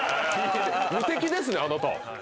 無敵ですねあなた。